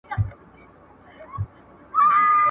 د کرکټ مینوال تل په ټولنیزو رسنیو کې د خپلو اتلانو ننګه کوي.